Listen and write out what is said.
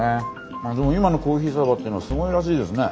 あっでも今のコーヒーサーバーってのはすごいらしいですね。